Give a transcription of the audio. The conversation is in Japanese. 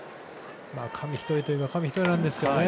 紙一重といえば紙一重なんですけどね。